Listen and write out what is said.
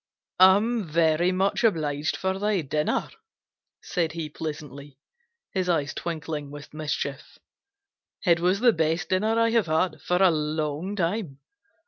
"I'm very much obliged for that dinner," said he pleasantly, his eyes twinkling with mischief. "It was the best dinner I have had for a long time.